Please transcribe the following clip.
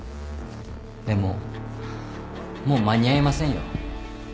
でももう間に合いませんよ。